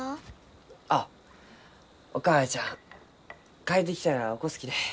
あっお母ちゃん帰ってきたら起こすきね。